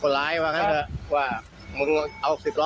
ของเยอะไอ้มันขโมยบ่อยอ๋อมามาไปบ่อย